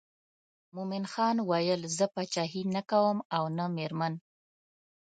مومن خان ویل زه پاچهي نه کوم او نه مېرمن.